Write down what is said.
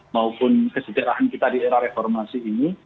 maupun kesejarahan kita di era reformasi ini